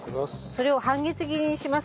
それを半月切りにします。